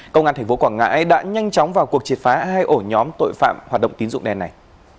công an tp quảng ngãi đã nhanh chóng vào cuộc triệt phá hai ổ nhóm tội phạm hoạt động tín dụng đen này